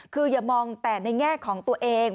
คืออย่ามองแต่ในแง่ของตัวเอง